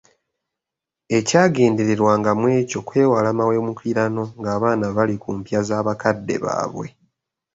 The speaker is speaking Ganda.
Ekyagendererwanga mu ekyo kwewala mawemukirano ng’abaana bali ku mpya za bakadde baabwe.